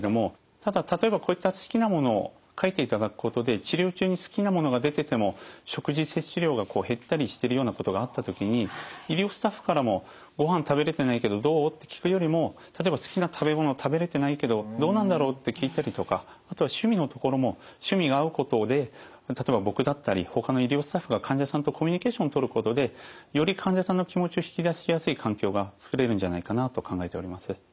ただ例えばこういった好きなものを書いていただくことで治療中に好きなものが出てても食事摂取量が減ったりしてるようなことがあった時に医療スタッフからも「ごはん食べれてないけどどう？」って聞くよりも例えば「好きな食べ物食べれてないけどどうなんだろう」って聞いたりとかあとは趣味のところも趣味が合うことで例えば僕だったりほかの医療スタッフが患者さんとコミュニケーションを取ることでより患者さんの気持ちを引き出しやすい環境が作れるんじゃないかなと考えております。